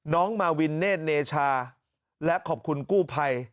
น้องมาวินเนธเนชาและขอบคุณกู้ภัย